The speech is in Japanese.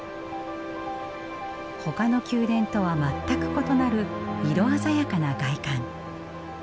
ほかの宮殿とは全く異なる色鮮やかな外観。